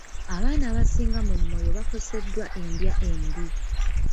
Abaana abasinga mu Moyo bakoseddwa endya embi.